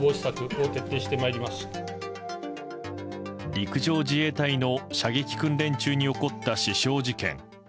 陸上自衛隊の射撃訓練中に起こった死傷事件。